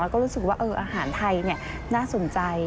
แล้วก็รู้สึกว่าอาหารไทยน่าสนใจ